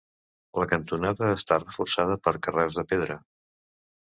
La cantonada està reforçada per carreus de pedra.